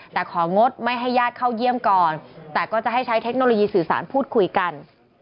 แต่ของงดไม่ให้ญาติเข้าเยี่ยมก่อนแต่ก็จะให้ใช้เทคโนโลยีสื่อสารพูดคุยกัน